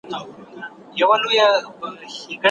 ایا تاسو د فارابي کتابونه لوستي دي؟